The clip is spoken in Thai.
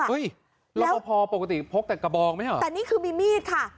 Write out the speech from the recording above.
รอปภปกติพกแต่กระบองไหมเหรอแต่นี่คือมีมีดค่ะ